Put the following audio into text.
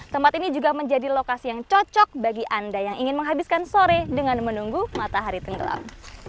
tempat ini juga menjadi lokasi yang cocok bagi anda yang ingin menghabiskan sore dengan menunggu matahari tenggelam